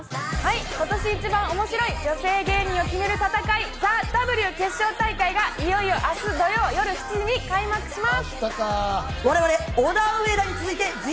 今年一番面白い女性芸人を決める戦い『ＴＨＥＷ』決勝大会がいよいよ明日、土曜夜７時に開幕します。